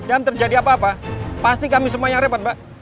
jangan terjadi apa apa pasti kami semua yang repot mbak